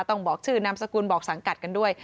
ต้องบอกชื่อนามสกุลบอกสังกัดกันด้วย